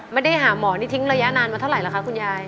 ไม่ได้หาหมอนี่ทิ้งระยะนานมาเท่าไหรอคะคุณยาย